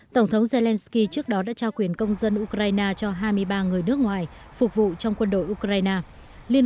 tổng thống zelensky trước đó đã trao quyền công dân ukraine cho hai mươi ba người nước ngoài phục vụ trong quân đội ukraine